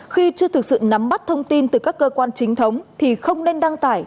khi chưa thực sự nắm bắt thông tin từ các cơ quan chính thống thì không nên đăng tải